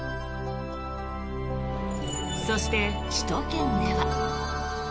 そして、首都圏では。